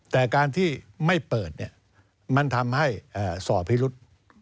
แต่การที่ไม่เปิดมันทำให้สอบพิรุษ